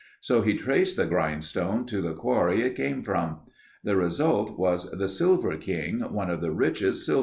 So he traced the grindstone to the quarry it came from. The result was the Silver King, one of the richest silver mines.